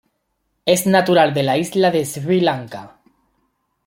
Es natural de la isla de Sri Lanka.